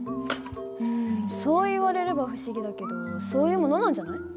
うんそう言われれば不思議だけどそういうものなんじゃない？